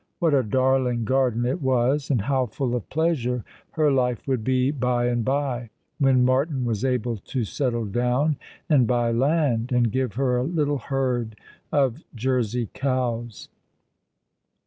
What a darling garden it was, and how full of pleasure her life v\'ould be by and by, when Martin was able to settle down and buy land, and give her a little herd of Jersey cows